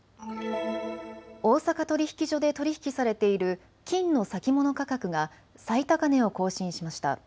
大阪取引所で取り引きされている金の先物価格が最高値を更新しました。